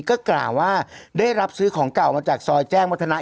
ก็ขอว่าได้รับของเก่ามาจากซอยแจ้งวัฒนา๒๙